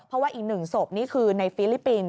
เพราะว่าอีก๑ศพนี่คือในฟิลิปปินส